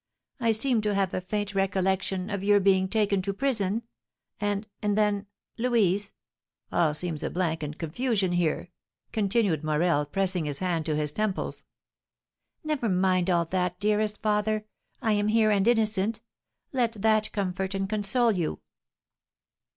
I seem to have a faint recollection of your being taken to prison and and then, Louise, all seems a blank and confusion here," continued Morel, pressing his hand to his temples. "Never mind all that, dearest father! I am here and innocent, let that comfort and console you."